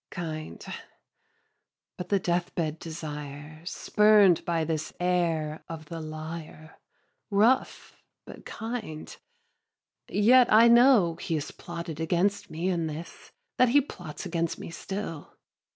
Kind? but the deathbed desire Spurn'd by this heir of the liar Rough but kind? yet I know He has plotted against me in this, That he plots against me still.